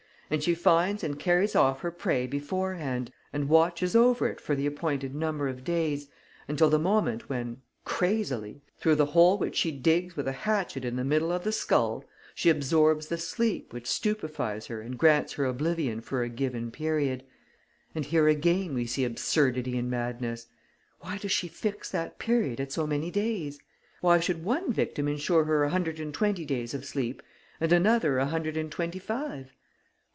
And she finds and carries off her prey beforehand and watches over it for the appointed number of days, until the moment when, crazily, through the hole which she digs with a hatchet in the middle of the skull, she absorbs the sleep which stupefies her and grants her oblivion for a given period. And here again we see absurdity and madness. Why does she fix that period at so many days? Why should one victim ensure her a hundred and twenty days of sleep and another a hundred and twenty five?